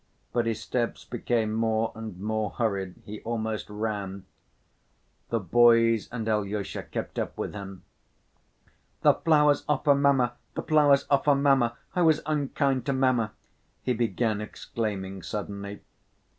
But his steps became more and more hurried, he almost ran. The boys and Alyosha kept up with him. "The flowers are for mamma, the flowers are for mamma! I was unkind to mamma," he began exclaiming suddenly.